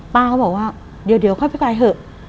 ป้าก็บอกว่าเดี๋ยวค่อยไปไกลเถอะ